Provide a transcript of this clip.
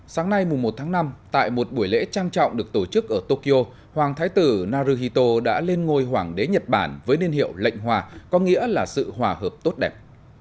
sáng nay một tháng năm tại một buổi lễ trang trọng được tổ chức ở tokyo hoàng thái tử naruhito đã lên ngôi hoàng đế nhật bản với niên hiệu lệnh hòa có nghĩa là sự hòa hợp tốt đẹp